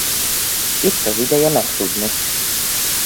Itt az ideje megtudni.